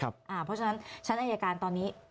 เพราะฉะนั้นชั้นอายการตอนนี้